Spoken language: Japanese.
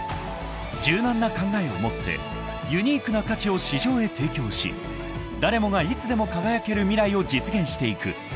［柔軟な考えを持ってユニークな価値を市場へ提供し誰もがいつでも輝ける未来を実現していく］